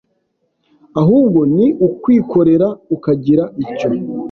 ahubwo ni ukwikorera ukagira icyo